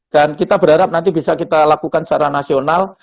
dan kita berharap nanti bisa kita lakukan secara nasional